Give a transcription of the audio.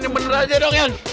yang bener aja dong yan